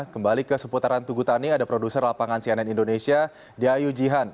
kembali ke seputaran tugutani ada produser lapangan cnn indonesia diayu jihan